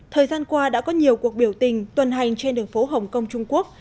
thời gian qua đã có nhiều cuộc biểu tình tuần hành trên đường phố hồng kông trung quốc